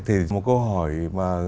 thì một câu hỏi mà